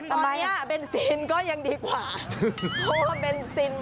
ตอนนี้เบนซินก็ยังดีกว่าเพราะว่าเบนซิน